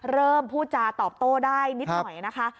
พูดจาตอบโต้ได้นิดหน่อยนะคะ